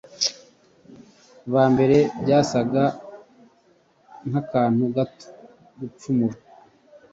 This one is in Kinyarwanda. ba mbere byasaga nk’akantu gato gucumura